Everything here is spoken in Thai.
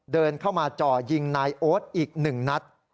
เดินเข้ามาจ่อยิงนายโอ๊ตอีก๑นัด